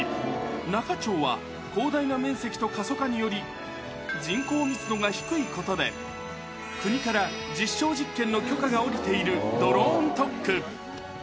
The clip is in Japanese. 那賀町は、広大な面積と過疎化により、人口密度が低いことで、国から実証実験を許可が下りているドローン特区。